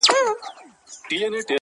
هم ښکاري ؤ هم جنګي ؤ هم غښتلی,